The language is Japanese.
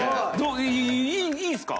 いいいいっすか？